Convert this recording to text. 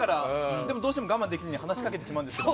でも、どうしても我慢できずしゃべりかけてしまうんですけど。